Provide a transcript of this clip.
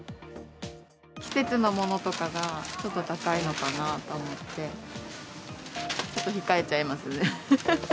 季節のものとかがちょっと高いのかなぁって思って、ちょっと控えちゃいますね。